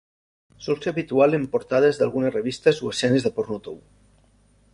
Sol ser habitual en portades d'algunes revistes o escenes de porno tou.